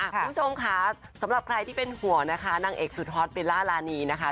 คุณผู้ชมค่ะสำหรับใครที่เป็นห่วงนะคะนางเอกสุดฮอตเบลล่ารานีนะคะ